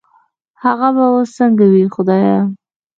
هغه به وس سنګه وي خدايه